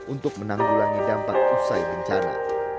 untuk menanggulangi dampak usai bencana